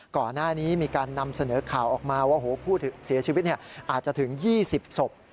ก่อนหน้านี้มีการนำเสนอข่าวออกมาว่าผู้เสียชีวิตอาจจะถึง๒๐ศพ